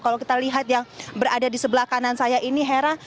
kalau kita lihat yang berada di sebelah kanan saya ini hera